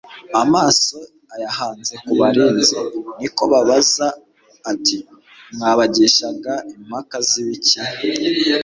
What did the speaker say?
amaso ayahanze ku bariditsi; niko kubabaza ati : «Mwa bagishaga impaka z'ibiki?»